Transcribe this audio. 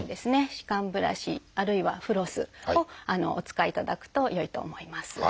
歯間ブラシあるいはフロスをお使いいただくとよいと思います。